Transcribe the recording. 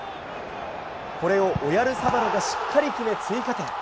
これをオヤルサバルがしっかり決め追加点。